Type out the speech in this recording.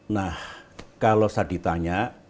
nah kalau saya ditanya